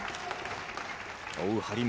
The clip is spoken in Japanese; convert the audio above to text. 追う張本。